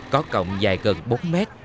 có cọng dài gần bốn mét